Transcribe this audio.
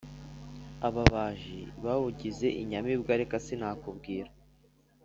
Ababaji bawugize inyamibwa reka sinakubwira